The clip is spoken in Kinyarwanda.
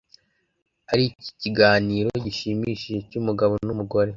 'ari ikiganiro gishimishije cy'umugabo n'umugore